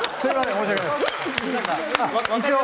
申し訳ないです。